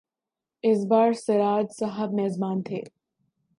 اس بار سراج صاحب میزبان تھے۔